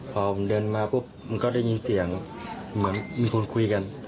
พอผมเดินมาปุ๊บมันก็ได้ยินเสียงเหมือนมีคนคุยกัน